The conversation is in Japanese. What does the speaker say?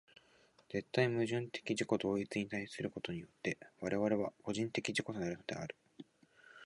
絶対矛盾的自己同一に対することによって我々は個人的自己となるのである。